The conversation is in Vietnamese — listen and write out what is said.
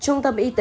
chương tâm y tế